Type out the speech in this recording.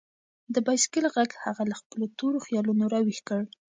د بایسکل غږ هغه له خپلو تورو خیالونو راویښ کړ.